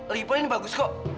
lagipun ini bagus kok